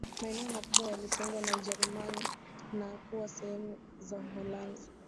Maeneo makubwa yalitengwa na Ujerumani na kuwa sehemu za Uholanzi